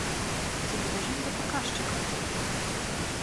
Ці дабяжым да паказчыка?